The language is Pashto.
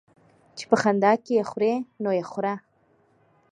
چي په خندا کې خورې ، نو يې خوره.